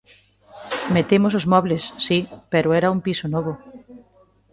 Metemos os mobles, si, pero era un piso novo.